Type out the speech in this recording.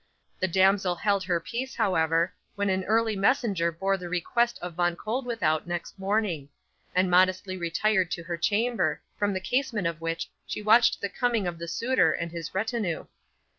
The damsel held her peace, however, when an early messenger bore the request of Von Koeldwethout next morning, and modestly retired to her chamber, from the casement of which she watched the coming of the suitor and his retinue.